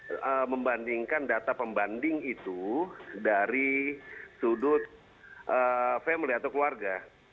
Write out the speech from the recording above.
saya membandingkan data pembanding itu dari sudut family atau keluarga